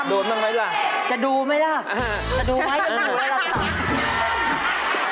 จะดูไหมล่ะจะดูไหมจะดูไหมล่ะครับ